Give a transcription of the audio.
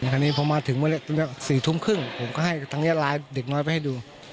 คราวนี้พอมาถึง๔ทุ่มครึ่งผมก็ให้ทางนี้ไลน์เด็กน้อยไปให้ดู